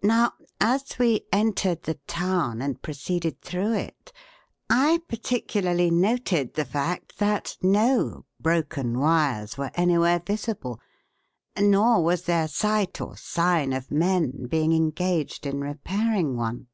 Now, as we entered the town and proceeded through it, I particularly noted the fact that no broken wires were anywhere visible, nor was there sight or sign of men being engaged in repairing one."